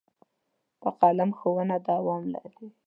په قلم ښوونه دوام لري.